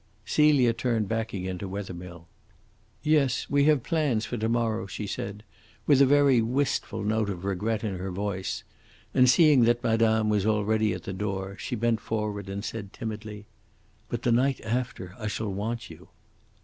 Celia turned back again to Wethermill. "Yes, we have plans for to morrow," she said, with a very wistful note of regret in her voice; and seeing that madame was already at the door, she bent forward and said timidly, "But the night after I shall want you."